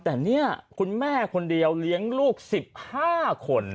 แต่นี่คุณแม่คนเดียวเลี้ยงลูก๑๕คน